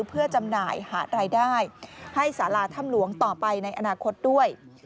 เพื่อจำหน่ายหารายได้ให้สาราถ้ำหลวงต่อไปในอนาคตด้วย